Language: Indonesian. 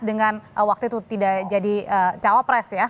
dengan waktu itu tidak jadi cawapres ya